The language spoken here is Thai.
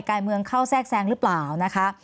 การเมืองเข้าแทรกแทรงหรือเปล่านะคะ